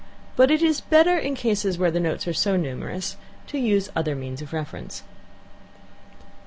But it is better, in cases where the notes are so numerous, to use other means of reference.